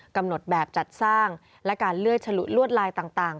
กำหนดแบบจัดสร้างและการเลื่อยฉลุลวดลายต่าง